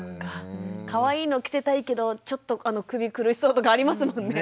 かわいいの着せたいけどちょっと首苦しそうとかありますもんね。